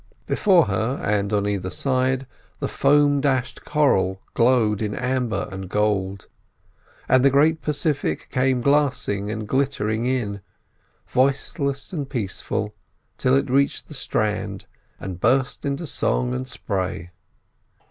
Before her, and on either side, the foam dashed coral glowed in amber and gold, and the great Pacific came glassing and glittering in, voiceless and peaceful, till it reached the strand and burst into song and spray.